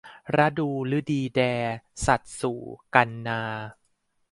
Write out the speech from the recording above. ระดูฤดีแด สัตว์สู่ กันนา